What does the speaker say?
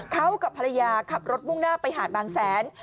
เขากับภรรยาขับรถมุ่งหน้าไปหาดบางแสน